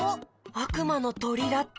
「あくまのとり」だって。